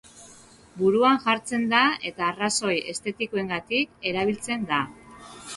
Buruan jartzen da eta arrazoi estetikoengatik erabiltzen da.